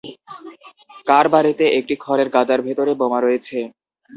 কার বাড়িতে একটি খড়ের গাদার ভেতরে বোমা রয়েছে?